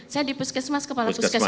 saya di puskesmas kepala puskesmas